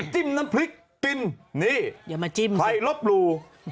จิ้มน้ำพริกกินนี่อย่ามาจิ้มใครลบหลู่